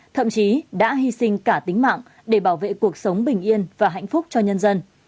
thậm chí đã hy sinh cả tính mạng để bảo vệ cuộc sống bình yên và hạnh phúc cho nhân dân